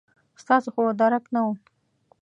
ستاسو خو درک نه و.